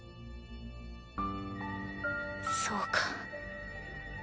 そうか。